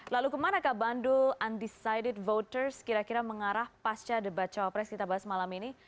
lalu kemana kak bandul undecided voters kira kira mengarah pasca debat cawapres kita bahas malam ini